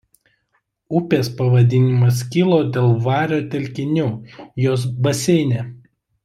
Upės pavadinimas kilo dėl vario telkinių jos baseine.